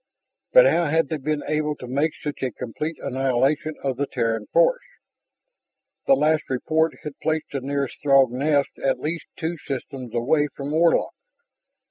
But how had they been able to make such a complete annihilation of the Terran force? The last report had placed the nearest Throg nest at least two systems away from Warlock.